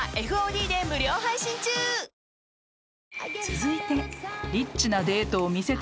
［続いて］